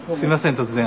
突然。